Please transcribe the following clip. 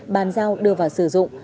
bàn giao đưa vào sử dụng